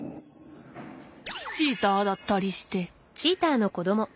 チーターだったりして。